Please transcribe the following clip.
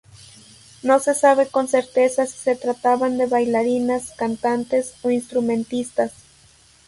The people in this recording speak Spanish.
No se sabe con certeza si se trataban de bailarinas, cantantes o instrumentistas.